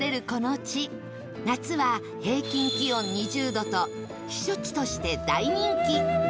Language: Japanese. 夏は平均気温２０度と避暑地として大人気